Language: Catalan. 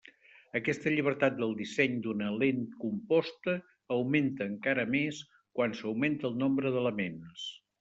Aquesta llibertat del disseny d'una lent composta augmenta encara més quan s'augmenta el nombre d'elements.